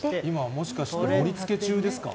もしかして盛りつけ中ですか？